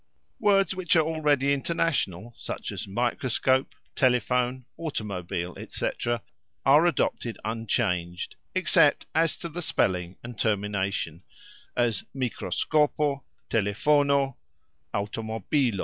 Words which are already international, such as "microscope, telephone, automobile", etc., are adopted unchanged, except as to the spelling and termination, as "mikroskopo, telefono, auxtomobilo."